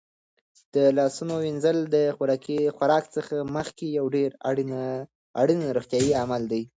د لاسونو وینځل د خوراک څخه مخکې یو ډېر اړین روغتیايي عمل دی.